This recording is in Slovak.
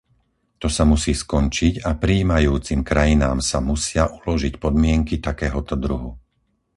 To sa musí skončiť a prijímajúcim krajinám sa musia uložiť podmienky takéhoto druhu.